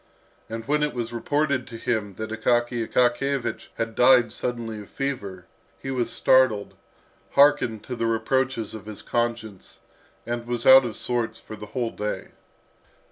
And when it was reported to him that Akaky Akakiyevich had died suddenly of fever, he was startled, hearkened to the reproaches of his conscience, and was out of sorts for the whole day.